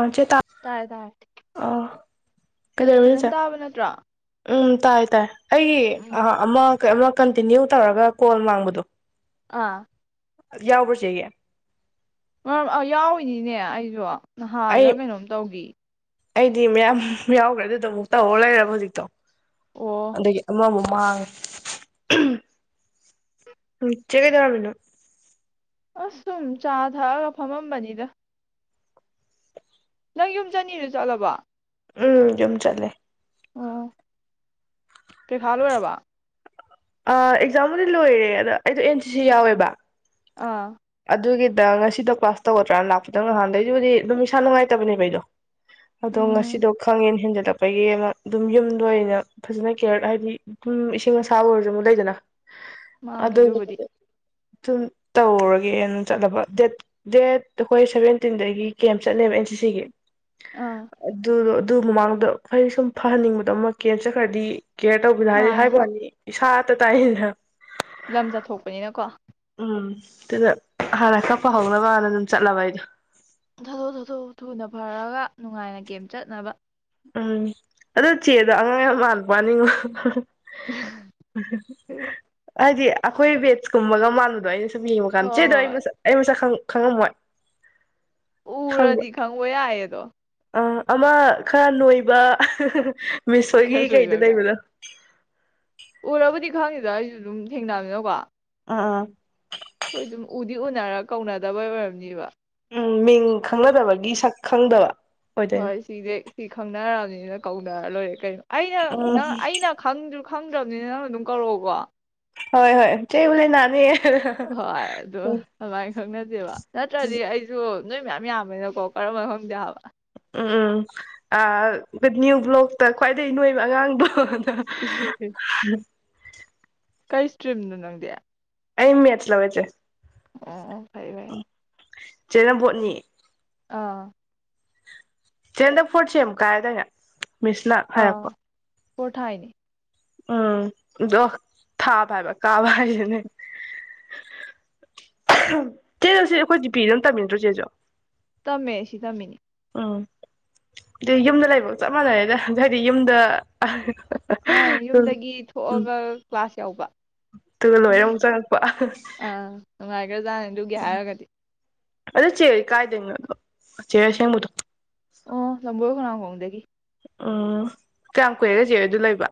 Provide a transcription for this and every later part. ꯑ ꯆꯦ ꯇ ꯇꯥꯔꯦ ꯇꯥꯔꯦ ꯐꯖꯅ ꯇꯥꯕ ꯅꯠꯇ꯭ꯔꯣ ꯎꯝ ꯇꯥꯏ ꯇꯥꯏ ꯑꯩ ꯑ ꯎꯝ ꯑꯃ ꯑꯃ ꯀꯟꯇꯤꯅ꯭ꯌꯨ ꯇꯧꯔꯒ ꯀꯣꯜ ꯃꯥꯡꯕꯗꯣ ꯑꯥ ꯌꯥꯎꯕ꯭ꯔꯥ ꯆꯦꯒꯤ ꯑꯧ ꯑꯧ ꯌꯥꯎꯔꯤꯅꯤꯅꯦ ꯑꯩ ꯌꯣ ꯑꯩ ꯅꯍꯥꯟꯜꯂ ꯀꯩꯅꯣꯝ ꯇꯧꯒꯤ ꯑꯩꯗꯤ ꯃꯌꯥꯝ ꯌꯥꯎꯒ꯭ꯔꯦ ꯑꯗꯨꯗꯣ ꯑꯃꯨꯛ ꯇꯧꯔ ꯂꯩꯔꯕ ꯍꯧꯖꯤꯛꯇꯣ ꯑꯣ ꯑꯗꯩ ꯑꯃꯃꯨ ꯃꯥꯡꯉꯦ ꯑꯎꯝ ꯆꯦ ꯀꯩꯗꯧꯔꯝꯃꯤꯅꯣ ꯑꯁ ꯁꯨꯝ ꯆꯥ ꯊꯛꯑꯒ ꯐꯝꯃꯝꯕꯅꯤꯗ ꯅꯪ ꯌꯨꯝ ꯆꯅꯤꯗꯣ ꯆꯠꯂꯕꯣ ꯎꯝ ꯌꯨꯝ ꯆꯠꯂꯦ ꯑꯣ ꯄꯦꯈꯥ ꯂꯣꯏꯔꯕꯣ ꯑ ꯑꯦꯛꯖꯥꯝꯕꯨꯗꯤ ꯂꯣꯏꯔꯦ ꯑꯗ ꯑꯩꯗꯣ ꯑꯦꯟ ꯁꯤ ꯁꯤ ꯌꯥꯎꯋꯦꯕ ꯑꯥ ꯑꯗꯨꯒꯤꯗ ꯉꯁꯤꯗꯣ ꯀ꯭ꯂꯥꯁ ꯇꯧꯒꯗ꯭ꯔꯥꯅ ꯂꯥꯛꯄꯗ ꯅꯍꯥꯟꯗꯩꯕꯨꯗꯤ ꯑꯗꯨꯝ ꯏꯁꯥ ꯅꯨꯡꯉꯥꯏꯇꯕꯅꯦꯕ ꯑꯩꯗꯣ ꯑꯗꯣ ꯎꯝ ꯉꯁꯤꯗꯣ ꯈꯪꯍꯦꯟ ꯍꯦꯟꯖꯟ ꯇꯛꯄꯒꯤ ꯑꯃ ꯑꯗꯨꯝ ꯌꯨꯝꯗ ꯑꯣꯏꯅ ꯐꯖꯅ ꯀꯦꯌꯔ ꯍꯥꯏꯗꯤ ꯑꯗꯨꯝ ꯏꯁꯤꯡ ꯑꯁꯥꯕꯨ ꯑꯣꯏꯔꯁꯨ ꯑꯃꯨꯛ ꯂꯩꯗꯅ ꯃꯥꯅꯦ ꯑꯗꯨꯨꯕꯨꯗꯤ ꯑꯗꯨꯝ ꯇꯧꯔꯣꯏ ꯑꯦ ꯑꯦꯟ ꯆꯠꯂꯕ ꯗꯦꯠ ꯗꯦꯠ ꯑꯩꯈꯣꯏ ꯁꯚꯦꯟꯇꯤꯟꯗꯒꯤ ꯀꯌꯥꯝ ꯆꯠꯂꯕ ꯑꯦꯟ ꯁꯤꯁꯤꯒꯤ ꯑꯥ ꯑꯗꯨ ꯑꯗꯨ ꯃꯃꯥꯡꯗꯣ ꯑꯩ ꯁꯨꯝ ꯐꯍꯟꯅꯤꯡꯕꯗꯣ ꯑꯃ ꯀꯦꯌꯔ ꯆꯠꯈ꯭ꯔꯗꯤ ꯀꯦꯌꯔ ꯇꯧꯕꯤꯕ ꯃꯥꯅꯦ ꯍꯥꯏꯕ ꯋꯥꯅꯤ ꯏꯁꯥ [unintelligible] ꯂꯝ ꯆꯠꯊꯣꯛꯄꯅꯤꯅ ꯀꯣ ꯎꯝ ꯑꯗꯨꯗ ꯍꯥꯟꯅ ꯀꯛꯄ ꯍꯧꯅꯕꯅ ꯑꯗꯨꯝ ꯆꯠꯂꯕ ꯑꯩꯗꯣ ꯊꯥꯊꯣꯛ ꯊꯥꯣꯛ ꯊꯨꯅ ꯐꯔꯒ ꯅꯨꯡꯉꯥꯏꯅ ꯒꯦꯝ ꯆꯠꯅꯕ ꯎꯝ ꯑꯗꯣ ꯆꯦꯗꯣ ꯑꯉꯥꯡ ꯌꯥꯝ ꯃꯥꯟꯕ ꯋꯥꯅꯤꯉꯣ ꯑꯗꯨꯗꯤ ꯑꯩꯈꯣꯏ ꯕꯦꯠꯁꯀꯨꯝꯕꯒ ꯃꯜꯂꯨꯕꯗꯣ ꯑꯩꯅ ꯌꯦꯡꯕ ꯀꯥꯟꯗ ꯍꯣꯏ ꯆꯦꯗꯣ ꯑꯩ ꯍꯣꯏ ꯃꯁꯛ ꯑꯩ ꯃꯁꯛ ꯈꯪ ꯈꯪꯉꯝꯃꯣꯏ ꯈꯪꯕ꯭ꯔ ꯎꯔꯗꯤ ꯈꯪꯕ ꯌꯥꯏꯌꯦ ꯑꯗꯣ ꯑ ꯑꯃ ꯈꯔ ꯅꯣꯏꯕ ꯃꯤꯁ ꯍꯣꯏꯒꯤ ꯈꯔ ꯀꯩꯗ ꯂꯣꯏꯕꯒꯥꯏ ꯂꯩꯕꯗꯣ ꯎꯔꯕꯨꯗꯤ ꯈꯡꯅꯤꯗ ꯑꯩꯁꯨ ꯑꯗꯨꯝ ꯊꯦꯡꯅꯕꯅꯕꯅꯤꯅꯀꯣ ꯑ ꯑ ꯑꯩꯈꯣꯏ ꯑꯗꯨꯝ ꯎꯗꯤ ꯎꯅꯔꯒ ꯀꯧꯅꯗꯕꯩ ꯑꯣꯏꯔꯝꯅꯤꯕ ꯎꯝ ꯃꯤꯡ ꯈꯪꯅꯗꯕꯒꯤ ꯁꯛ ꯈꯪꯗꯕ ꯍꯣꯏ ꯑꯣꯏꯗꯣꯏꯅꯦ ꯁꯤꯗꯤ ꯁꯤ ꯈꯪꯅꯔꯕꯅꯤꯅ ꯀꯧ ꯂꯣꯢꯔꯦ ꯀꯩꯅꯣ ꯑꯩꯅ ꯎꯝ ꯅꯪ ꯑꯩꯅ ꯈꯪꯗ꯭ꯔꯤ ꯈꯪꯗ꯭ꯔꯕꯅꯤꯅ ꯅꯪꯅꯁꯨ ꯑꯗꯨꯝ ꯀꯧꯔꯛꯑꯣꯀꯣ ꯍꯣꯏ ꯍꯣꯏ ꯆꯦꯕꯨ ꯅꯅꯤꯌꯦ ꯍꯣꯏ ꯑꯗꯨ ꯑꯗꯨꯃꯥꯏꯅ ꯈꯪꯅꯁꯦꯕ ꯅꯠꯇ꯭ꯔꯗꯤ ꯑꯩꯁꯨ ꯅꯣꯏ ꯃꯌꯥꯝ ꯌꯥꯝꯕꯅꯤꯅꯀꯣ ꯀꯔꯝꯕꯅꯣ ꯈꯪꯗꯦ ꯍꯥꯏꯕ ꯎꯝ ꯎꯝ ꯅ꯭ꯌꯨ ꯕ꯭ꯂꯣꯛꯇ ꯈ꯭ꯋꯥꯏꯗꯒꯤ ꯅꯣꯏꯕ ꯑꯉꯥꯡꯗꯣ ꯗꯣꯅ [inaudible] [inaudible] ꯀꯩ ꯏꯁꯇ꯭ꯔꯤꯝꯅꯣ ꯅꯪꯗꯤ ꯑꯩ ꯃꯦꯇ꯭ꯆ ꯂꯧꯌꯦ ꯆꯦ ꯑꯣ ꯐꯩꯏ ꯐꯩꯏ ꯆꯦꯅ ꯕꯣꯠꯅꯤ ꯑꯥ ꯆꯦ ꯍꯟꯗꯛ ꯐꯣꯔ꯭ꯠ ꯁꯦꯝ ꯀꯥꯏ ꯌꯦꯗꯥꯢꯅꯦ ꯃꯤꯁꯅ ꯍꯥꯏꯔꯛꯄ ꯄꯣꯠ ꯊꯥꯏꯅꯦ ꯎꯝ ꯑꯗꯣ ꯊꯥꯕ ꯍꯥꯏꯕ ꯀꯥꯕ ꯍꯥꯏꯗꯨꯅꯦ ꯆꯦ ꯗꯨ ꯁꯤ ꯑꯩꯈꯣꯏ ꯖꯤ ꯄꯤ ꯗ ꯑꯗꯨꯝ ꯇꯝꯃꯤꯟꯅꯇ꯭ꯔꯣ ꯆꯦꯁꯨ ꯇꯃꯦ ꯁꯤ ꯇꯃꯤꯅꯤ ꯎꯝ ꯑꯗꯨ ꯌꯨꯝꯗ ꯂꯩꯕꯒ ꯆꯞ ꯃꯥꯟꯅꯔꯦꯗ ꯑꯗꯨ ꯍꯥꯏꯗꯤ ꯌꯨꯝꯗ ꯃꯥ ꯎꯝ ꯌꯨꯝꯗꯒꯤ ꯎꯝ ꯊꯣꯛꯑꯒ ꯀ꯭ꯂꯥꯁ ꯌꯥꯎꯕ ꯑꯗꯨꯒ ꯂꯣꯏꯔ ꯑꯃꯨꯛ ꯆꯪꯉꯛꯄ ꯆꯦꯖꯥꯡ ꯑꯗꯨꯒꯤ ꯍꯥꯏꯔꯒꯗꯤ ꯑꯗꯨ ꯆꯦꯗꯣ ꯀꯥꯏꯗꯒꯤꯅꯣ ꯆꯦꯑꯔ ꯑꯁꯦꯡꯕꯗꯣ ꯑꯣ ꯂꯝꯕꯣꯏ ꯈꯣꯡꯅꯥꯡꯈꯣꯡ ꯈꯣꯡꯗꯒꯤ ꯎꯝ ꯀꯌꯥꯝ ꯀꯨꯏꯔꯒꯦ ꯆꯦꯑꯔ ꯑꯗꯨ ꯂꯩꯕ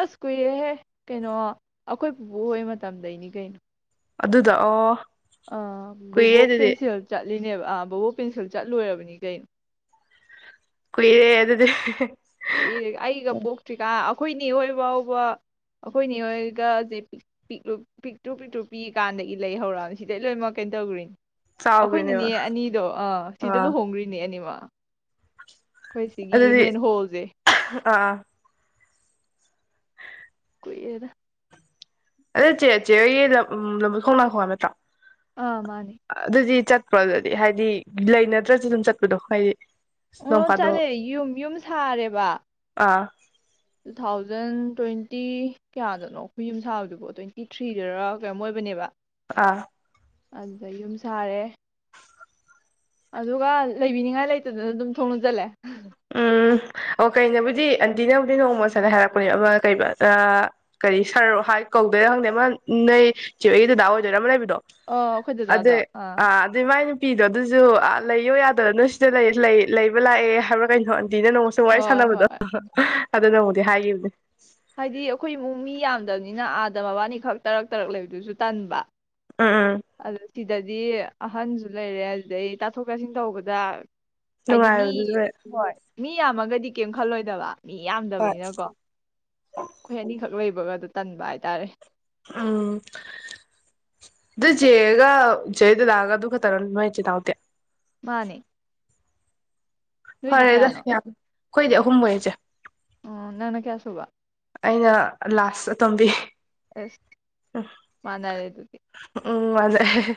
ꯑꯁ ꯀꯨꯏꯔꯦꯍꯦ ꯀꯩꯅꯣ ꯑꯩꯈꯣꯏ ꯄꯨꯄꯨ ꯍꯣꯏ ꯃꯇꯝꯗꯩꯅꯤ ꯀꯩꯅꯣ ꯑꯗꯨꯗꯣ ꯑꯣ ꯑ ꯀꯨꯏꯔꯦ ꯕꯨꯕꯣꯛ ꯑꯗꯨꯗꯤ ꯄꯦꯟꯁꯤꯜ ꯆꯠꯂꯤ ꯅꯦꯕ ꯑ ꯕꯣꯕꯣꯛ ꯄꯦꯟꯁꯤꯜ ꯆꯠꯂꯣꯏꯔꯕꯅꯤ ꯀꯩꯅꯣ ꯀꯨꯏꯔꯦ ꯑꯗꯨꯗꯤ ꯀꯨꯏꯔꯦ ꯑꯩꯒ ꯄꯣꯛꯇ꯭ꯔꯤꯀꯥꯟ ꯑꯩꯈꯣꯏꯅꯦꯍꯣꯏ ꯐꯥꯎꯕ ꯑꯩꯈꯣꯏꯅꯦ ꯍꯣꯏꯒꯁꯦ ꯄꯤꯛ ꯄꯤꯛꯇ꯭ꯔꯨ ꯄꯤꯛꯇ꯭ꯔꯨ ꯄꯤꯛꯏ ꯀꯥꯟꯗꯒꯤ ꯂꯩ ꯍꯧꯈ꯭ꯔꯤꯅꯤ ꯁꯤꯗꯩ ꯂꯣꯏꯅꯃꯛ ꯀꯩꯅꯣ ꯇꯧꯗ꯭ꯔꯤꯅꯤ ꯆꯥꯎꯈ꯭ꯔꯤꯅꯦꯕ ꯑꯩꯈꯣꯏꯅꯤꯅꯦ ꯑꯅꯤꯗꯣ ꯑꯥ ꯁꯤꯗ ꯂꯨꯍꯣꯡꯈ꯭ꯔꯤꯅꯦ ꯑꯅꯤꯃꯛ ꯑꯩꯈꯣꯏ ꯁꯤꯒꯤ ꯑꯗꯨꯗꯤ ꯃꯦꯟ ꯍꯣꯜꯁꯦ ꯑꯥ ꯄꯤꯛꯑꯦꯗ ꯑꯗꯣ ꯆꯦ ꯆꯦꯍꯣꯏꯒꯤ ꯂꯝ ꯂꯝꯕꯣꯏ ꯈꯣꯡꯅꯥꯡ ꯈꯣꯡ ꯍꯥꯏꯕ ꯅꯠꯇ꯭ꯔꯣ ꯑꯥ ꯃꯥꯅꯦ ꯑꯗꯨꯗꯤ ꯆꯠ ꯑꯗꯨꯗꯤ ꯍꯥꯏꯗꯤ ꯂꯩꯅꯗ꯭ꯔꯁꯨ ꯑꯗꯨꯝ ꯆꯠꯄꯗꯣ ꯍꯥꯏꯗꯤ ꯅꯣꯡ ꯑꯣ ꯐꯥꯗꯣꯛ ꯆꯠꯂꯦ ꯌꯨꯝ ꯌꯨꯝ ꯁꯥꯔꯦꯕ ꯑꯥ ꯇꯨ ꯊꯥꯎꯖꯟ ꯇ꯭ꯋꯦꯟꯇꯤ ꯀꯌꯥꯗꯅꯣ ꯑꯩꯈꯣꯏ ꯌꯨꯝ ꯁꯥꯕꯗꯨꯕꯣ ꯇ꯭ꯋꯦꯟꯇꯤ ꯊ꯭ꯔꯤꯗꯔ ꯀꯩꯅꯣꯝ ꯑꯣꯏꯕꯅꯦꯕ ꯑꯥ ꯑꯗꯨꯗ ꯌꯨꯝ ꯁꯥꯔꯦ ꯑꯗꯨꯒ ꯂꯩꯕꯤꯅꯤꯡꯉꯥꯏ ꯂꯩꯇꯗꯅ ꯑꯗꯨꯝ ꯊꯣꯡ ꯂꯣꯟꯖꯜꯂꯦ ꯑꯟꯇꯤ ꯅꯕꯨꯗꯤ ꯅꯣꯡꯃ ꯁꯗ ꯍꯥꯏꯔꯛꯄꯅꯦ ꯑꯃ ꯀꯩ ꯀꯔꯤ ꯁꯔ ꯀꯧꯗꯣꯏꯔꯥ ꯈꯪꯗꯦ ꯑꯃ ꯅꯣꯏ ꯆꯦ ꯍꯣꯏꯒꯤ ꯗꯗꯥ ꯑꯣꯏꯗꯣꯏꯔꯥ ꯑꯃ ꯂꯩꯕꯗꯣ ꯑ ꯑꯩꯈꯣꯏ ꯗꯗꯥꯗꯣ ꯑꯗꯦ ꯑꯥ ꯑ ꯑꯗꯨꯃꯥꯏ ꯄꯤꯗꯣ ꯑꯗꯨꯁꯨ ꯂꯩꯌꯣ ꯌꯥꯗ ꯅꯣꯏ ꯁꯤꯗ ꯂꯩꯕ ꯂꯥꯛꯑꯦ ꯍꯥꯏꯕ ꯍ [unintelligible] ꯁꯤꯗ ꯅꯣꯡꯃꯁꯨ ꯋꯥꯔꯤ ꯍꯣꯏ ꯁꯥꯟꯅꯕꯗꯣ ꯍꯣꯏ ꯑꯗꯨꯅꯕꯨꯗꯤ ꯍꯥꯏꯈꯤꯕꯅꯦ ꯍꯥꯏꯗꯤ ꯑꯩꯈꯣꯏ ꯏꯃꯨꯡ ꯃꯤ ꯌꯥꯝꯗ ꯅꯤꯅ ꯑꯥꯗ ꯃꯕꯥꯅꯤꯈꯛ ꯇꯔꯛ ꯇꯔꯛ ꯂꯩꯕꯗꯨꯁꯨ ꯇꯟꯕ ꯎꯝ ꯎꯝ ꯑꯗ ꯁꯤꯗꯗꯤ ꯑꯍꯟꯁꯨ ꯂꯩꯔꯦ ꯑꯗꯨꯗꯩ ꯇꯥꯊꯣꯛ ꯇꯥꯁꯤꯟ ꯇꯧꯕꯗ ꯍꯥꯏꯗꯤ ꯃꯤ ꯍꯣꯏ ꯃꯤ ꯌꯥꯝꯃꯒꯗꯤ ꯀꯩꯝ ꯈꯜꯂꯣꯏꯗꯕ ꯃꯤ ꯌꯥꯝꯗꯕꯅꯤꯅꯀꯣ ꯑꯩꯈꯣꯏ ꯑꯅꯤꯈꯛ ꯂꯩꯕ ꯕꯥꯕꯥꯗꯨ ꯇꯟꯕ ꯍꯥꯏꯇꯥꯔꯦ ꯎꯝ ꯑꯗꯨ ꯆꯦꯒ ꯆꯦꯒꯤ ꯗꯥꯗꯥꯒ ꯑꯗꯨ ꯈꯛꯇꯔ ꯅꯣꯏ ꯏꯆꯤꯟ ꯏꯅꯥꯎꯗꯤ ꯃꯥꯅꯦ ꯅꯣꯏꯗꯤ ꯐꯔꯦꯗ ꯀꯌꯥꯅꯣ ꯌꯥꯝ ꯑꯩꯈꯣꯏꯗꯤ ꯑꯍꯨꯝ ꯑꯣꯏꯌꯦ ꯆꯦ ꯎ ꯅꯪꯅ ꯀꯌꯥꯁꯨꯨꯕ ꯑꯩꯅ ꯂꯥꯁ ꯑꯇꯣꯝꯕꯤ ꯑꯁ ꯃꯥꯅꯔꯦ ꯑꯗꯨꯗꯤ ꯎꯝ ꯃꯥꯟꯅꯩ ꯑꯍꯦꯍꯦ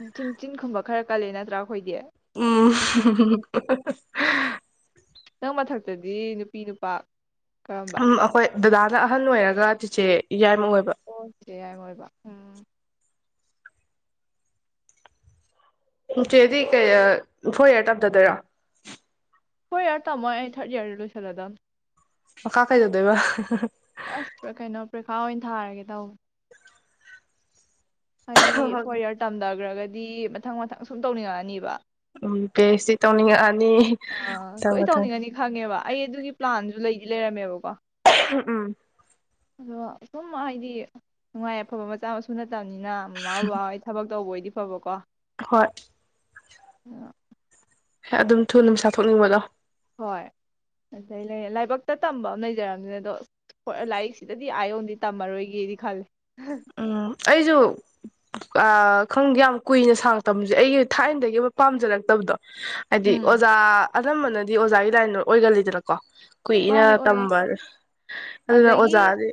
ꯎꯝ ꯆꯤꯟ ꯆꯤꯟꯒꯨꯝꯕ ꯈꯔ ꯀꯜꯂꯤ ꯅꯠꯇ꯭ꯔꯥ ꯑꯩꯈꯣꯏꯗꯤ ꯎꯝ ꯍꯨꯝ ꯍꯥ ꯍꯥ ꯅꯪ ꯃꯊꯛꯇꯗꯤ ꯅꯨꯄꯤ ꯅꯨꯄꯥ ꯀꯔꯝꯕ ꯎꯝ ꯑꯩꯈꯣꯏ ꯗꯗꯥꯅ ꯑꯍꯟ ꯑꯣꯏꯔꯒ ꯆꯤꯆꯦ ꯌꯥꯏ ꯑꯣ ꯁꯤꯁꯦ ꯑꯣꯏꯕ ꯎꯝ ꯆꯦꯗꯤ ꯀꯩ ꯐꯣꯔ ꯏꯌꯥꯔ ꯇꯞꯊꯗꯣꯏꯔꯣ ꯐꯣꯔ ꯏꯌꯥꯔ ꯇꯝꯃꯣꯏ ꯑꯩ ꯊꯥꯔꯗ ꯏꯌꯥꯔꯗ ꯂꯣꯏꯁꯤꯜꯂꯗꯃꯦ ꯑꯣ ꯃꯈꯥ ꯀꯩꯗꯧꯗꯣꯏꯕ ꯍꯥ ꯍꯥ ꯍꯥ ꯑꯁ ꯀꯩꯅꯣ ꯄ꯭ꯔꯤꯈꯥ ꯑꯣꯏꯅ ꯊꯥꯔꯒꯦ ꯇꯧꯕ ꯍꯥꯏꯗꯤ ꯐꯣꯔ ꯏꯔ ꯇꯝꯗꯒ꯭ꯔꯒ ꯗꯤ ꯃꯊꯪ ꯃꯊꯪ ꯁꯨꯝ ꯇꯧꯅꯤꯡꯉꯛꯑꯅꯤꯕ ꯎꯝ ꯄꯤꯑꯩꯆ ꯗꯤ ꯇꯧꯅꯤꯡꯉꯛꯑꯅꯤ ꯑ ꯃꯊꯪ ꯁꯣꯏ ꯃꯊꯪ ꯇꯧꯅꯤꯡꯉꯅꯤ ꯈꯪꯉꯦꯕ ꯑꯩ ꯑꯗꯨꯒꯤ ꯄ꯭ꯂꯥꯟꯁꯨ ꯂꯩꯗꯤ ꯂꯩꯔꯝꯃꯦꯕꯀꯣ ꯎꯝ ꯑꯗꯣ ꯁꯨꯝ ꯍꯥꯏꯗꯤ ꯅꯨꯡꯉꯥꯏ ꯑꯐꯕ ꯃꯆꯥ ꯃꯁꯨ ꯅꯠꯇꯕꯅꯤꯅ ꯃꯥꯃ ꯕꯥꯕꯥꯍꯣꯏ ꯊꯕꯛ ꯇꯧꯕ ꯑꯣꯏꯗꯤ ꯐꯕꯀꯣ ꯍꯣꯏ ꯑꯥ ꯑꯗꯨꯝ ꯊꯨꯅ ꯄꯩꯁꯥ ꯊꯣꯛꯅꯤꯡꯕꯗꯣ ꯍꯣꯏ ꯑꯇꯩ ꯂꯩ ꯂꯥꯏꯕꯛꯇ ꯇꯝꯕ ꯑꯃ ꯂꯩꯖꯔꯕꯝꯅꯤꯅ ꯑꯗꯣ ꯂꯥꯏꯔꯤꯛꯁꯤꯗꯗꯤ ꯑꯥꯏꯌꯧꯅꯡ ꯇꯝꯃꯔꯣꯏꯒꯦꯗꯤ ꯈꯜꯂꯦ ꯎꯝ ꯑꯩꯁꯨ ꯑꯥ ꯈꯪꯗꯦ ꯌꯥꯝ ꯀꯨꯏꯅ ꯁꯥꯡ ꯇꯝꯕꯁꯦ ꯑꯩꯒꯤ ꯊꯥꯏꯅꯗꯒꯤ ꯑꯃ ꯄꯥꯝꯖꯔꯛꯇꯕꯗꯣ꯫ ꯍꯥꯏꯗꯤ ꯎꯝ ꯑꯣꯖꯥ ꯑꯅꯝꯕꯅꯗꯤ ꯑꯣꯖꯥꯒꯤ ꯂꯥꯏꯟꯗ ꯑꯣꯏꯒꯜꯂꯤꯗꯅꯀꯣ ꯀꯨꯏꯅ ꯃꯥꯅꯦ ꯑꯣꯏꯌꯦ ꯇꯝꯕꯁꯦ ꯑꯗꯨꯅ ꯑꯗꯒꯤ ꯑꯣꯖꯥꯒꯤ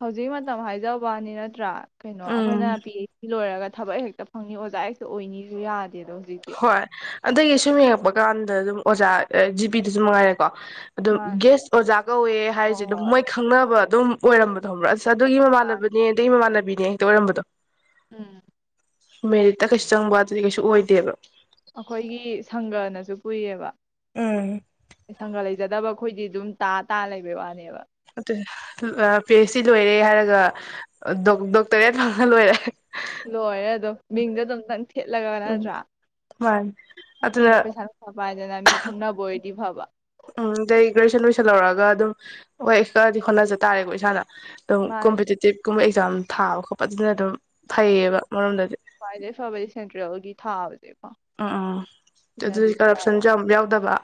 ꯍꯧꯖꯤꯛ ꯃꯇꯝ ꯍꯥꯏꯖꯕꯅꯤ ꯅꯠꯇ꯭ꯔꯥ ꯀꯩꯅꯣ ꯑꯩꯈꯣꯏꯅ ꯎꯝ ꯄꯤ ꯑꯩꯆ ꯁꯤ ꯂꯣꯏꯔꯒ ꯊꯕꯛ ꯍꯦꯛꯇ ꯐꯪꯅꯤ ꯑꯣꯖꯥ ꯍꯦꯛꯇ ꯑꯣꯏꯅꯤꯁꯨ ꯌꯥ ꯗꯦꯗꯣ ꯍꯧꯖꯤꯛꯇꯤ ꯍꯣꯏ ꯑꯗꯒꯤ ꯁꯨꯝ ꯌꯦꯡꯉꯛꯄ ꯀꯥꯟꯗ ꯑꯗꯨꯝ ꯑꯣꯖꯥ ꯑ ꯖꯤ ꯄꯤꯗꯁꯨ ꯃꯉꯥꯏꯔꯦ ꯀꯣ ꯑꯗꯨꯝ ꯃꯥꯅꯦ ꯒꯦꯁ ꯑꯣꯖꯥ ꯀꯧꯋꯦ ꯍꯣꯏ ꯍꯥꯏꯔꯤꯁꯦ ꯑꯗꯨꯝ ꯍꯣꯏ ꯃꯣꯏ ꯈꯪꯅꯕ ꯑꯗꯨꯝ ꯑꯣꯏꯔꯝꯕꯗꯣ ꯈꯪꯕꯔꯥ ꯁ ꯑꯗꯨꯒꯤ ꯃꯥꯅꯦ ꯃꯃꯥꯟꯅꯕꯅꯦ ꯑꯗꯨꯒꯤ ꯃꯃꯥꯟꯅꯕꯤ ꯌꯦ ꯍꯦꯛꯇ ꯑꯣꯏꯔꯝꯕꯗꯣ ꯎꯝ ꯃꯦꯔꯤꯠꯇ ꯀꯩꯁꯨ ꯆꯪꯕ ꯑꯗꯨꯗꯤ ꯀꯩꯁꯨ ꯑꯣꯏꯗꯦꯕ ꯑꯩꯈꯣꯏꯒꯤ ꯁꯪꯒꯅꯁꯨ ꯄꯨꯏꯌꯦꯕ ꯎꯝ ꯁꯪꯒꯥ ꯂꯩꯖꯗꯕ ꯑꯩꯈꯣꯏꯗꯤ ꯗꯨꯝ ꯇꯥ ꯇꯥ ꯂꯩꯕꯩ ꯋꯥꯅꯦꯕ ꯎꯝ ꯑ ꯄꯤ ꯍꯩꯆ ꯗꯤ ꯂꯣꯏꯔꯦ ꯍꯥꯏꯔꯒ ꯑ ꯗꯣꯛ ꯗꯣꯛꯇꯔꯦꯠ ꯐꯪꯉ ꯂꯣꯏꯔꯦ ꯂꯣꯏꯔꯦ ꯑꯗꯝ ꯃꯤꯡꯗꯣ ꯑꯗꯨꯝꯟ ꯊꯦꯠꯂꯒ ꯎꯝ ꯅꯠꯇ꯭ꯔ ꯃꯥꯅꯤ ꯑꯗꯨꯅ ꯑꯩꯈꯣꯏꯅ ꯄꯩꯁꯥ ꯅꯨꯡꯁꯥ ꯄꯥꯏꯗꯅ ꯃꯤ ꯈꯪꯅꯕ ꯑꯣꯏ ꯗꯤ ꯐꯕ ꯎꯝ ꯑꯗꯩ ꯒ꯭ꯔꯦꯖꯨꯑꯦꯁꯟ ꯂꯣꯏꯁꯜꯂꯧꯔꯒ ꯑꯗꯨꯝ ꯍꯣꯏ ꯈꯔꯗꯤ ꯍꯣꯠꯅꯖ ꯇꯥꯔꯦꯀꯣ ꯏꯁꯥꯅ ꯎ ꯃꯥꯅꯦ ꯀꯨꯝꯕꯇꯤꯇꯤꯞ ꯀꯨꯝ ꯑꯦꯛ ꯑꯦꯖꯥꯝ ꯊꯥꯕ ꯈꯣꯠꯄ ꯑꯗꯨꯅꯗꯨꯝ ꯈꯋꯥꯏꯗꯩ ꯐꯕꯗꯤ ꯁꯦꯟꯇ꯭ꯔꯦꯜꯒꯤ ꯊꯥꯕꯖꯦ ꯀꯣ ꯎꯝ ꯎꯝ ꯑꯗꯨꯗꯤ ꯀꯔꯞꯁꯟꯁꯨ ꯌꯥꯝ ꯌꯥꯎꯗꯕ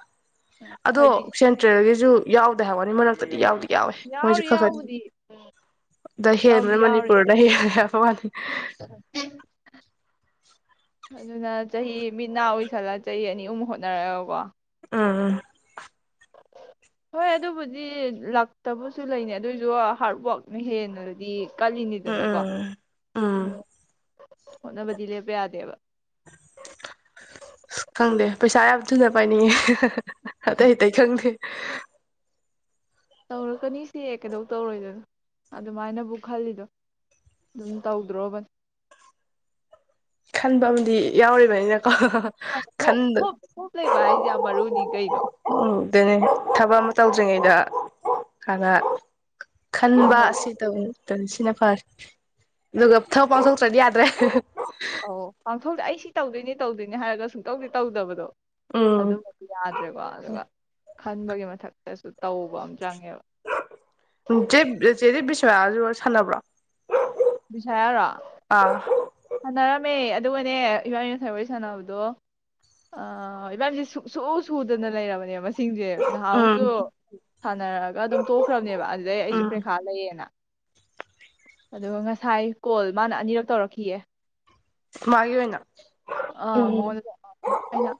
ꯑꯗꯣ ꯍꯥꯏꯗꯤ ꯁꯦꯟꯇ꯭ꯔꯦꯜ ꯁꯨ ꯌꯥꯎꯗꯦ ꯍꯥꯏ ꯋꯥꯅꯤ ꯃꯔꯛꯇꯗꯤ ꯌꯥꯎꯗꯤ ꯌꯥꯎꯋꯦ ꯃꯣꯏꯁꯨ ꯌꯥꯎꯔꯤ ꯈ ꯈꯗꯤ ꯌꯥꯎꯕꯨꯗꯤ ꯑꯗ ꯌꯥꯎꯗꯤ ꯍꯦꯟꯕꯅ ꯌꯥꯎꯔꯤꯅꯤ ꯃꯅꯤꯄꯨꯔꯅ ꯍꯦꯜꯂꯦꯕ [unintelligible] ꯑꯗꯨꯅ ꯆꯍꯤ ꯃꯤꯠ ꯅꯥ ꯑꯣꯏꯁꯜꯂ ꯆꯍꯤ ꯑꯅꯤ ꯑꯍꯨꯝ ꯍꯣꯠꯅꯔꯒꯀꯣ ꯎꯝ ꯎꯝ ꯍꯣꯏ ꯑꯗꯨꯕꯨꯗꯤ ꯂꯥꯛꯇꯕꯁꯨ ꯂꯩꯅꯦ ꯑꯗꯨꯑꯣꯏꯁꯨ ꯍꯥꯔꯠ ꯋꯥꯔꯛꯅ ꯍꯦꯟꯅꯗꯤ ꯎ ꯀꯜꯂꯤꯅꯤꯗꯅꯀꯣ ꯎꯝ ꯎꯝ ꯍꯣꯠꯅꯕꯗꯤ ꯂꯦꯞꯄ ꯌꯥꯗꯦꯕ ꯁ ꯈꯪꯗꯦ ꯄꯩꯁꯥ ꯌꯥꯝ ꯊꯨꯅ ꯄꯥꯏꯅꯤꯡꯉꯦ ꯑꯇꯩ ꯑꯇꯩ ꯈꯪꯗꯦ ꯇꯧꯔꯛꯀꯅꯤ ꯁꯦ ꯀꯩꯗꯧ ꯇꯧꯔꯣꯏꯗꯣꯏꯅꯣ ꯑꯗꯨꯃꯥꯏꯅꯕꯨ ꯈꯜꯂꯤꯗꯣ ꯑꯗꯨꯝ ꯇꯧꯗ꯭ꯔꯣꯕꯅꯤ ꯈꯟꯕ ꯑꯃꯗꯤ ꯌꯥꯎꯔꯤꯕꯅꯤꯅ ꯍꯣꯞ ꯍꯣꯞ ꯂꯩꯕ ꯍꯥꯏꯁꯦ ꯌꯥꯝ ꯃꯔꯨꯅꯤ ꯀꯩꯅꯣ ꯎꯝ ꯑꯗꯨꯅꯤ ꯊꯕꯛ ꯑꯃ ꯇꯧꯗ꯭ꯔꯤꯉꯩꯗ ꯍꯥꯟꯅ ꯈꯟꯕ ꯈꯟꯍꯧꯕ ꯑꯁꯤ ꯇꯧꯛꯇꯅꯤ ꯁꯤꯅ ꯐꯔꯦ ꯑꯗꯨꯒ ꯊꯕ ꯄꯥꯡꯊꯣꯛꯇ꯭ꯔꯗꯤ ꯌꯥꯗ꯭ꯔꯦ [unintelligible] ꯊꯣꯛꯇ ꯑꯩ ꯁꯤ ꯇꯧꯗꯣꯏꯖꯦ ꯇꯧꯗꯣꯏꯅꯦ ꯍꯥꯏꯔꯒ ꯁꯨꯡꯇꯧꯗꯤ ꯇꯧꯗꯕꯗꯣ ꯎꯝ ꯑꯗꯨꯝꯕꯗꯤ ꯌꯥꯗ꯭ꯔꯦꯀꯣ ꯑꯗꯨꯒ ꯈꯟꯕꯒꯤ ꯃꯊꯛꯇꯁꯨ ꯇꯧꯕ ꯑꯃ ꯆꯪꯉꯦꯕ ꯎ ꯆꯦ ꯆꯦꯗꯤ ꯕꯤꯁꯌꯥꯜꯁꯨ ꯁꯥꯟꯅꯕ꯭ꯔꯣ [unintelligible] ꯌꯥꯔꯣ ꯑꯥ ꯁꯥꯟꯅꯔꯝꯃꯦ ꯑꯗꯨꯒꯅꯦ ꯏꯕꯥꯝꯅꯤꯅ ꯐꯣꯋꯥꯔꯤ ꯁꯥꯟꯅꯕꯗꯣ ꯑꯥ ꯏꯕꯥꯝꯅꯤꯁꯦ ꯁꯨꯛ ꯁꯨ ꯁꯨꯗꯅ ꯂꯩꯔꯕꯅꯦꯕ ꯃꯁꯤ ꯁꯤꯡꯁꯦ ꯎꯝ ꯅꯍꯥꯟꯃꯨꯛꯁꯨ ꯁꯥꯟꯅꯔꯒ ꯑꯗꯨꯝ ꯇꯣꯛꯈ꯭ꯔꯕꯅꯦꯕ ꯑꯗꯨꯗꯩ ꯑꯩꯁꯨ ꯎꯝ ꯄ꯭ꯔꯦꯈꯥ ꯂꯩꯌꯦꯅ ꯑꯗꯨꯒ ꯉꯁꯥꯏ ꯀꯣꯜ ꯃꯥꯅ ꯑꯅꯤꯔꯛ ꯇꯧꯔꯛꯈꯤꯌꯦ ꯃꯥꯒꯤ ꯑꯣꯏꯅ ꯑꯥ ꯎꯝ ꯃꯉꯣꯟꯗ ꯑꯩꯅ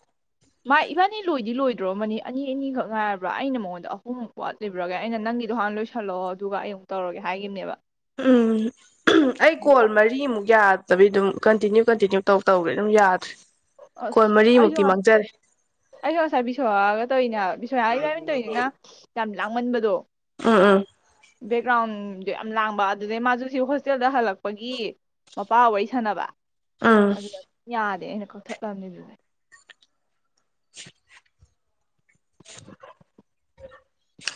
ꯃꯥ ꯏꯕꯥꯅꯤ ꯂꯣꯏꯗꯤ ꯂꯣꯏꯗ꯭ꯔꯣ ꯔꯝꯃꯅꯤ ꯑꯅꯤ ꯑꯅꯤꯈꯛ ꯉꯥꯏꯔꯕ꯭ꯔꯥ ꯑꯩꯅ ꯃꯉꯣꯟꯗ ꯑꯍꯨꯝꯃꯨꯛ ꯋꯥꯠꯂꯤꯕ꯭ꯔꯒ ꯑꯩꯅ ꯅꯪꯒꯤꯗꯣ ꯍꯥꯟꯅ ꯂꯣꯏꯁꯜꯂꯛꯑꯣ ꯑꯗꯨꯒ ꯑꯩ ꯑꯃꯨꯛ ꯇꯧꯔꯒꯦ ꯍꯥꯏꯈꯤꯕꯅꯦꯕ ꯎꯝ ꯑꯩ ꯀꯣꯜ ꯑꯗꯨꯒ ꯃꯔꯤꯃꯨꯛ ꯌꯥ ꯇꯕꯤ ꯑꯗꯨꯝ ꯀꯟꯇꯤꯅ꯭ꯌꯨ ꯀꯟꯇꯤꯅ꯭ꯌꯨ ꯇꯧ ꯇꯧꯔꯦ ꯑꯗꯨꯝ ꯌꯥꯗ꯭ꯔꯦ ꯑꯁ ꯀꯣꯜ ꯑꯩꯁꯨ ꯃꯔꯤꯃꯨꯛꯇꯤ ꯑ ꯃꯥꯡꯖꯔꯦ ꯑꯩꯁꯨ ꯉꯁꯥꯏ ꯕꯤꯁꯣꯔꯥꯒ ꯇꯧꯔꯤꯅꯦꯕ ꯕꯤꯁꯣꯔꯥꯏ ꯏꯕꯥꯅꯤꯅ ꯇꯧꯔꯤꯖꯤꯅ ꯌꯥꯝ ꯂꯥꯡꯃꯟꯕꯗꯣ ꯎꯝ ꯎꯝ ꯕꯦꯛꯒ꯭ꯔꯥꯎꯟꯗꯣ ꯌꯥꯝ ꯂꯥꯡꯕ ꯑꯗꯨꯗꯩ ꯃꯥꯁꯨ ꯁꯤ ꯍꯣꯁꯇꯦꯜꯗ ꯍꯜꯂꯛꯄꯒꯤ ꯃꯄꯥ ꯋꯥꯔꯤ ꯁꯥꯟꯅꯕ ꯎꯝ ꯑꯗꯨ ꯌꯥꯗꯦ ꯑꯩꯅ ꯀꯛꯊꯠ ꯂꯝꯅꯦ ꯑꯗꯨꯗꯩ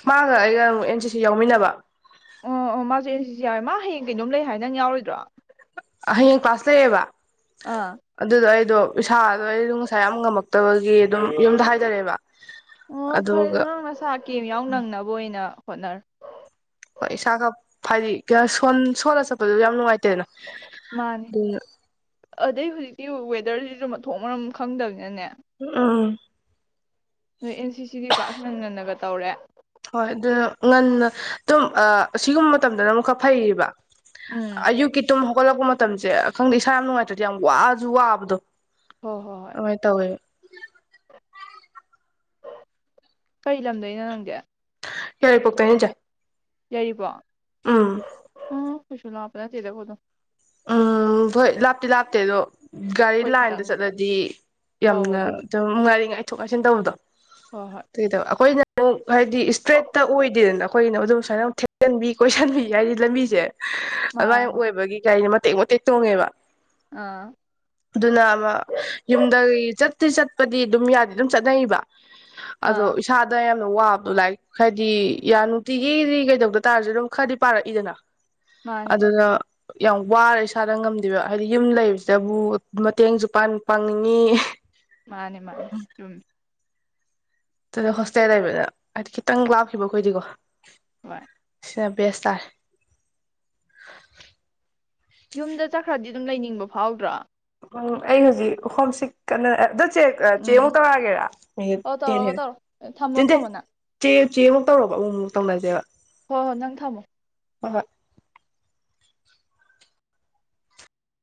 ꯃꯥꯒ ꯑꯩꯒ ꯑꯃꯨꯛ ꯑꯦꯟ ꯁꯤꯁꯤ ꯌꯥꯎꯃꯤꯟꯅꯕ ꯑꯣ ꯑꯣ ꯃꯥꯁꯦ ꯑꯦꯟ ꯁꯤꯁꯤ ꯌꯥꯎꯋꯦ ꯃꯥ ꯍꯌꯦꯡ ꯀꯩꯅꯣꯝ ꯂꯩ ꯍꯥꯏ ꯅꯪ ꯌꯥꯎꯔꯣꯏꯗ꯭ꯔꯣ ꯍꯌꯦꯡ ꯀ꯭ꯥꯂꯁ ꯂꯩꯌꯦꯕ ꯑꯥ ꯑꯗꯨꯗꯣ ꯑꯗꯣ ꯏꯁꯥꯗꯣ ꯑꯩꯗꯣ ꯉꯁꯥꯏ ꯌꯥꯝ ꯉꯝꯃꯛꯇꯕꯒꯤ ꯑꯗꯨꯝ ꯌꯨꯝꯗ ꯍꯥꯏꯗꯔꯦꯕ ꯑꯣ ꯐꯔꯦꯗ ꯅꯪ ꯅꯁꯥ ꯀꯦꯝ ꯌꯥꯎ ꯅꯪꯅꯕ ꯑꯣꯏꯅ ꯍꯣꯠꯅꯔꯣ ꯍꯣꯏ ꯏꯁꯥꯒ ꯄꯥꯏꯗꯤ ꯀ ꯁꯣꯟ ꯁꯣꯜꯂꯁꯨ ꯆꯠꯄꯗꯨꯁꯨ ꯌꯥꯝ ꯅꯨꯡꯉꯥꯏꯇꯦꯅ ꯃꯥꯅꯦ ꯑ ꯑꯗꯩ ꯍꯧꯖꯤꯛꯇꯤ ꯋꯦꯗꯔꯁꯤꯁꯨ ꯃꯊꯣꯛ ꯃꯔꯝ ꯈꯪꯗꯕꯅꯤꯅꯅꯦ ꯎꯝ ꯅꯣꯏ ꯑꯦꯟ ꯁꯤ ꯁꯤꯒꯤ ꯀ꯭ꯂꯥꯁ ꯉꯟ ꯉꯟꯅꯒ ꯇꯧꯔꯦ ꯍꯣꯏ ꯑꯗꯨꯅ ꯉꯟꯅ ꯑꯗꯨꯝ ꯑꯥ ꯑꯁꯤꯒꯨꯝꯕ ꯃꯇꯝꯗꯅ ꯑꯃꯨꯛ ꯈꯔ ꯐꯩꯌꯦꯕ ꯎꯝ ꯑꯌꯨꯛꯀꯤ ꯇꯨꯝ ꯍꯩꯒꯠꯂꯛꯄ ꯃꯠ ꯃꯇꯝꯁꯦ ꯈꯪꯗꯦ ꯏꯁꯥ ꯌꯥꯝ ꯅꯨꯡꯉꯥꯏꯇ꯭ꯔꯗꯤ ꯌꯥꯝ ꯋꯥꯁꯨ ꯋꯥꯕꯗꯣ ꯍꯣꯏ ꯍꯣꯏ ꯍꯣꯏ ꯑꯣꯏ ꯇꯧꯋꯦ ꯀꯔꯤ ꯂꯝꯗꯩꯅꯣ ꯅꯪꯗꯤ ꯌꯥꯏꯔꯤꯄꯣꯛꯇꯩꯅꯤ ꯆꯦ ꯌꯥꯏꯔꯤꯕꯣ ꯎꯝ ꯎꯝ ꯀꯩꯁꯨ ꯂꯥꯞꯄ ꯅꯠꯇꯦꯗ ꯑꯩꯈꯣꯏꯗꯣ ꯎꯝ ꯍꯣꯏ ꯂꯥꯞꯇꯤ ꯂꯥꯞꯇꯦ ꯑꯗꯣ ꯒꯥꯔꯤ ꯍꯣꯏ ꯂꯥꯏꯟꯗ ꯈꯤꯇꯪ ꯆꯠꯂꯗꯤ ꯑꯧ ꯌꯥꯝꯅ ꯑꯗꯨꯕꯨꯗꯤ ꯑꯗꯨꯝ ꯉꯥꯏꯔꯤꯉꯩ ꯉꯥꯏꯊꯣꯛ ꯉꯥꯏꯁꯤꯟ ꯇꯧꯕꯗꯣ ꯍꯣꯏ ꯍꯣꯏ ꯇꯩꯗꯣ ꯑꯩꯈꯣꯏꯅ ꯑꯃꯨꯛ ꯍꯥꯏꯗꯤ ꯏꯁꯇ꯭ꯔꯦꯠꯇ ꯑꯣꯏꯗꯦꯗꯅ ꯑꯩꯈꯣꯏꯅ ꯑꯗꯨꯝ ꯁꯨꯃꯥꯏꯅ ꯑꯃꯨꯛ ꯊꯦꯛꯆꯟꯕꯤ ꯀꯣꯏꯁꯟꯕꯤ ꯍꯥꯏꯗꯤ ꯂꯝꯕꯤꯁꯦ ꯑꯗꯨꯃꯥꯏꯅ ꯃꯥꯅꯦ ꯑꯣꯏꯕꯒꯤ ꯒꯥꯔꯤꯅ ꯃꯇꯦꯛ ꯃꯇꯦꯛ ꯇꯣꯡꯉꯦꯕ ꯑꯥ ꯑꯗꯨꯅ ꯑꯃ ꯌꯨꯝꯒꯤ ꯆꯠ ꯆꯠꯄꯗꯤ ꯑꯗꯨꯝ ꯌꯥꯗꯦ ꯑꯗꯨꯝ ꯆꯠꯅꯩꯕ ꯑꯗꯣ ꯑꯥ ꯏꯁꯥꯗ ꯌꯥꯝ ꯋꯥꯕꯗꯣ ꯂꯥꯏꯔꯤꯛ ꯍꯥꯏꯗꯤ ꯌꯥ ꯅꯨꯡꯇꯤꯒꯤꯗꯤ ꯀꯩꯗꯧꯗ ꯇꯥꯔꯁꯨ ꯑꯗꯨꯝ ꯈꯔꯗꯤ ꯄꯥꯔꯛꯏꯗꯅ ꯃꯥꯅꯤ ꯑꯗꯨꯅ ꯌꯥꯝ ꯋꯥꯔꯦ ꯏꯁꯥꯗ ꯉꯝꯗꯦꯕ ꯍꯥꯏꯗꯤ ꯌꯨꯝ ꯂꯩꯕꯁꯤꯗꯕꯨ ꯃꯇꯦꯡꯁꯨ ꯄꯥꯡꯅꯤꯡꯉꯤ ꯃꯥꯅꯦ ꯃꯥꯅꯦ ꯆꯨꯝꯃꯦ ꯑꯗꯨꯗ ꯍꯣꯁꯇꯦꯜ ꯂꯩꯕꯅ ꯍꯥꯏꯗꯤ ꯈꯤꯇꯪ ꯂꯥꯞꯈꯤꯕ ꯑꯩꯈꯣꯏꯗꯤꯀꯣ ꯍꯣꯏ ꯕꯦꯁ ꯇꯥꯔꯦ ꯌꯨꯝꯗ ꯆꯠꯈ꯭ꯔꯗꯤ ꯑꯗꯨꯝ ꯂꯩꯅꯤꯡꯕ ꯐꯥꯎꯗ꯭ꯔꯣ ꯎꯝ ꯑꯩ ꯍꯧꯖꯤꯛ ꯍꯣꯝꯁꯤꯛ ꯀꯟꯅ ꯆꯦ ꯆꯦꯃꯨꯛ ꯎꯝ ꯇꯔꯒꯦꯔ ꯑꯣ ꯇꯦꯟ ꯇꯧꯔꯛꯑꯣ ꯍꯦꯜꯂꯦ ꯇꯧꯔꯣ ꯊꯝꯃꯣ ꯇꯦꯟꯗꯦꯟ ꯊꯝꯃꯣ ꯅꯪ ꯆꯦ ꯆꯦ ꯑꯃꯨꯛ ꯇꯧꯔꯛꯑꯣ ꯑꯃꯨꯃꯨꯛ ꯇꯧꯅꯖꯦꯕ ꯍꯣꯏ ꯍꯣꯏ ꯅꯪ ꯊꯝꯃꯣ ꯍꯣꯏ ꯍꯣꯏ